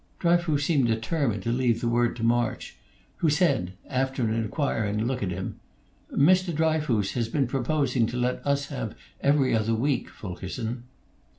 Dryfoos seemed determined to leave the word to March, who said, after an inquiring look at him, "Mr. Dryfoos has been proposing to let us have 'Every Other Week,' Fulkerson."